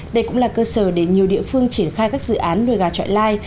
đây cũng là cơ sở để nhiều địa phương triển khai các dự án nuôi gà trọi lai